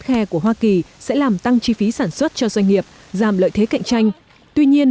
khe của hoa kỳ sẽ làm tăng chi phí sản xuất cho doanh nghiệp giảm lợi thế cạnh tranh tuy nhiên